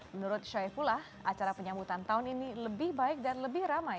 menurut syaifullah acara penyambutan tahun ini lebih baik dan lebih ramai